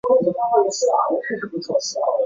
下贝格基兴是德国巴伐利亚州的一个市镇。